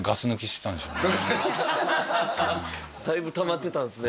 そこでだいぶたまってたんすね